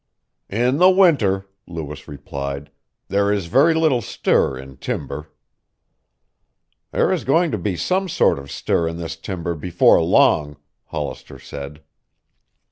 "In the winter," Lewis replied, "there is very little stir in timber." "There is going to be some sort of stir in this timber before long," Hollister said.